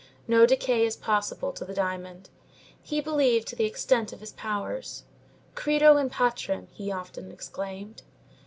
No decay is possible to the diamond. He believed to the extent of his powers. "Credo in Patrem," he often exclaimed.